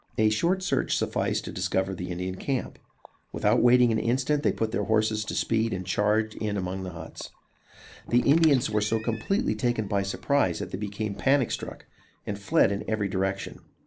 A short search sufficed to discover the Indian camp. Without waiting an instant, they put their horses to their speed and charged in among the huts. The Indians were so completely taken by surprise, that they became panic struck and fled in every direction.